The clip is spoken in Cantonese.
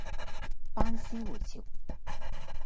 班師回朝